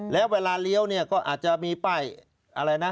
แล้วเวลาเลี้ยวก็อาจจะมีป้ายขาวแดง